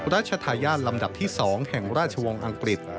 ราชทายาทลำดับที่๒แห่งราชวงศ์อังกฤษ